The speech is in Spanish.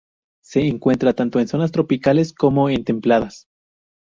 Se encuentran tanto en zonas tropicales como en templadas.